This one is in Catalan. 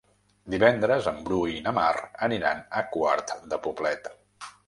Divendres en Bru i na Mar aniran a Quart de Poblet.